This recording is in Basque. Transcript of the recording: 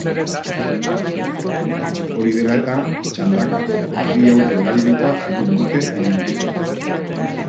Hori dela eta, txandaka eta bi auto erabilita egin dute ibilbidea.